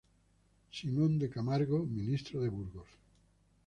Simón de Camargo, Ministro de Burgos.